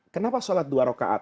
kenapa sholat dua rokaat